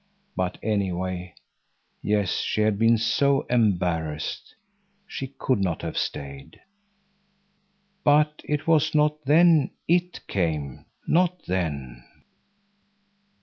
But any way—yes she had been so embarrassed. She could not have stayed. But it was not then "it" came, not then.